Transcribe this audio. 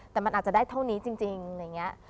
แต่มันอาจจะได้เท่านี้จริงอะไรอย่างนี้